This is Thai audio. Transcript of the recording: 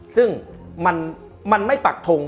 ซึ่งมันไม่ปักทง